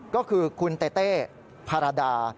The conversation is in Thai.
ก็คือคุณเต้เต้พารดา